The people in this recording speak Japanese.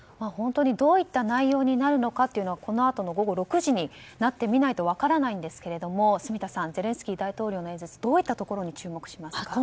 本当にどういった内容になるのかはこのあと午後６時になってみないと分からないんですが、住田さんゼレンスキー大統領の演説どういったところに注目しますか。